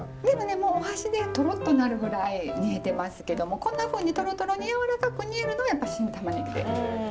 でもねお箸でトロっとなるぐらい煮えてますけどもこんなふうにトロトロにやわらかく煮えるのはやっぱ新玉ねぎで。